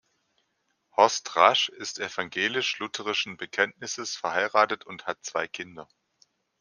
Horst Rasch ist evangelisch-lutherischen Bekenntnisses, verheiratet und hat zwei Kinder.